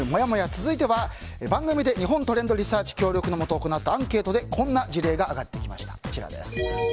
続いては、番組で日本トレンドリサーチ協力のもと行ったアンケートでこんな事例が挙がってきました。